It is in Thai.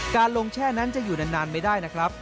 การลงแช่นั้นจะอยู่นานไม่ได้นะครับ